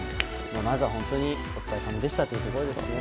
まずは本当にお疲れさまでしたというところですね。